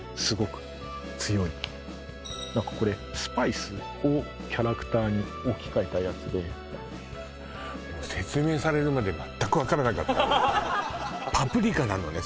何かこれスパイスをキャラクターに置き換えたやつで説明されるまでまったく分からなかったパプリカなのね